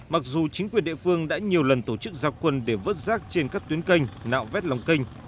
mặc dù chính quyền địa phương đã nhiều lần tổ chức rác quân để vứt rác trên các tuyến kênh nạo vét lòng kênh